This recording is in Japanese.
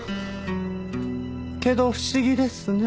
けど不思議ですね。